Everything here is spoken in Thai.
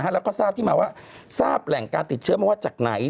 แล้วก็ทราบที่มาว่าทราบแหล่งการติดเชื้อมาว่าจากไหน